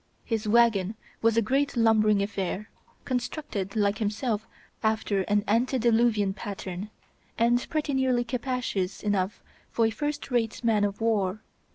His wagon was a great lumbering affair, constructed, like himself, after an ante diluvian pattern, and pretty nearly capacious enough for a first rate man of war.